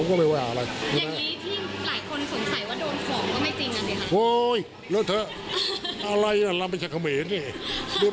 โอ้ยแล้วเธออะไรอ่ะเราไม่ใช่เมียนี่